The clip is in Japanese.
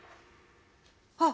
あっ！